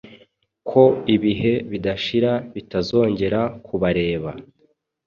Ko Ibihe bidashira bitazongera kubareba